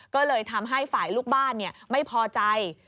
ก็เลยทำให้ฝ่ายลูกบ้านไม่พอใจ